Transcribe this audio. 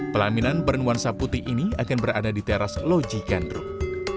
pelaminan bernuansa putih ini akan berada di teras lojigandrung